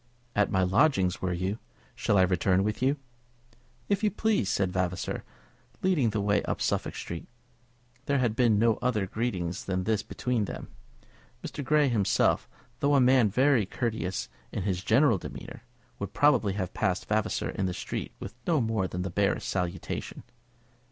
"At my lodgings, were you? Shall I return with you?" "If you please," said Vavasor, leading the way up Suffolk Street. There had been no other greeting than this between them. Mr. Grey himself, though a man very courteous in his general demeanour, would probably have passed Vavasor in the street with no more than the barest salutation.